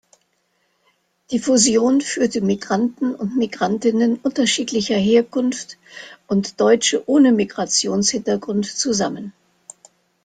Die Fusion führte Migranten und Migrantinnen unterschiedlicher Herkunft und Deutsche ohne Migrationshintergrund zusammen.